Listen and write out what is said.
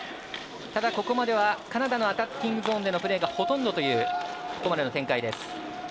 ここまではカナダのアタッキングゾーンのプレーがほとんどというここまでの展開です。